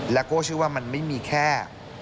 แล้วก็เชื่อว่ามันไม่มีแค่